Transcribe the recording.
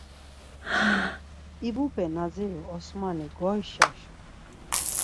İvupe na dziru Osmani goişaşu.